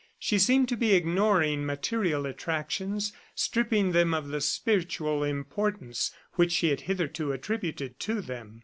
She seemed to be ignoring material attractions, stripping them of the spiritual importance which she had hitherto attributed to them.